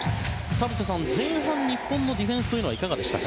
田臥さん前半、日本のディフェンスはいかがでしたか？